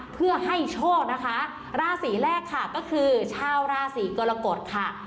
เพื่อให้โชคนะคะราศีแรกค่ะก็คือชาวราศีกรกฎค่ะ